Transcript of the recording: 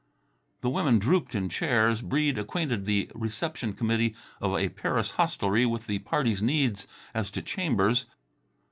The women drooped in chairs. Breede acquainted the reception committee of a Paris hostelry with the party's needs as to chambers.